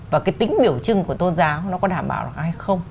và cái tính biểu trưng của tôn giáo nó có đảm bảo được hay không